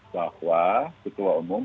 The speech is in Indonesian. bahwa ketua umum